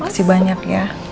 masih banyak ya